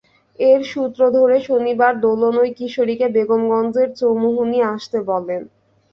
এর সূত্র ধরে শনিবার দোলন ওই কিশোরীকে বেগমগঞ্জের চৌমুহনী আসতে বলেন।